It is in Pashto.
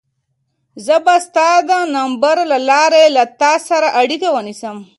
زه به ستا د نمبر له لارې له تا سره اړیکه ونیسم.